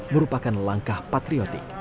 merupakan langkah patriotik